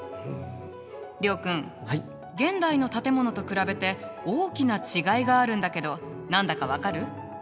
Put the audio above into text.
諒君現代の建物と比べて大きな違いがあるんだけど何だか分かる？